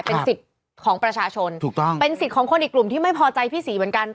เป็นสิทธิ์ของประชาชนถูกต้องเป็นสิทธิ์ของคนอีกกลุ่มที่ไม่พอใจพี่ศรีเหมือนกัน